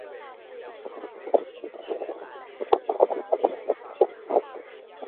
韦弗担任的最后一份公职是出任家乡科尔法克斯的市长。